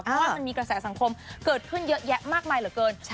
เพราะว่ามันมีกระแสสังคมเกิดขึ้นเยอะแยะมากมายเหลือเกิน